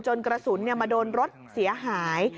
กระสุนมาโดนรถเสียหาย